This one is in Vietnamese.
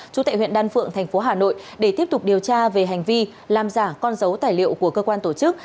trú tại huyện đan phượng thành phố hà nội để tiếp tục điều tra về hành vi làm giả con dấu tài liệu của cơ quan tổ chức